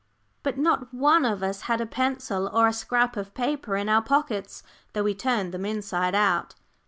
But not one of us had a pencil or a scrap of paper in our pockets, though we turned them inside out.